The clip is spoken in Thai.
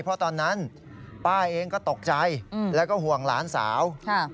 เพราะตอนนั้นป้าเองก็ตกใจแล้วก็ห่วงหลานสาว